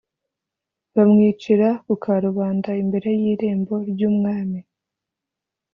Bamwicira ku karubanda imbere y irembo ry umwami